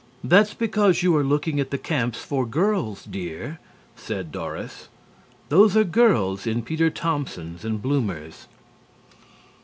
"That's because you are looking at the Camps for Girls, dear," said Doris. "Those are girls in Peter Thompsons and bloomers."